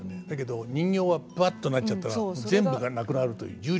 だけど人形はぶわっとなっちゃったら全部がなくなるという。